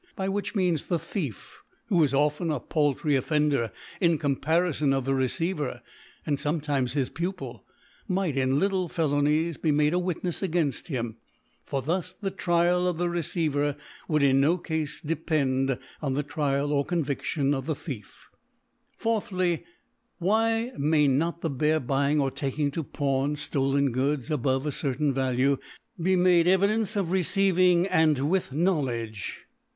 by which Means the Thief, who is c^ten a paultry Offender in Coniparifon of the Receiver, and fome ctmes his PMpil, might, in little Felonies, be i^ade a Witnefs againft him : for thus the Trial Trial of the Receiver would in no Cafe cfe* pend on the Trial or Con viftion of the Thicf^ 4/A/y, Why may not the bare buying or taking to Pawn ftoled Goods, above a cer tain Value, be 'made Evidence of receiving with Knowledge, £^r.